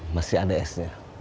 masih ada esnya